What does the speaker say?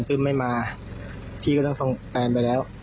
ไม่มาพี่ก็ต้องส่งแฟนไปแล้ว